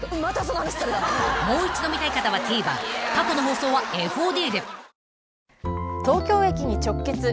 ［もう一度見たい方はＴＶｅｒ過去の放送はＦＯＤで］